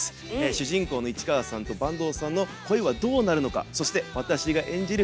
主人公の市川さんと坂東さんの恋はどうなるのかそして私が演じる